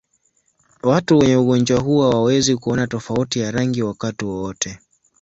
Watu wenye ugonjwa huu hawawezi kuona tofauti ya rangi wakati wote.